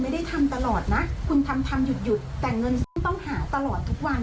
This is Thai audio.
รู้ไหมวันนี้คุณทำเสียขนาดไหน